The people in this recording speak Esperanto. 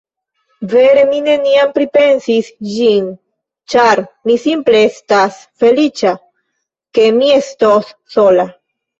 Vere, mi neniam pripensis ĝin, ĉar mi simple estas feliĉa, ke mi estos sola.